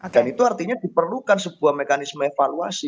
dan itu artinya diperlukan sebuah mekanisme evaluasi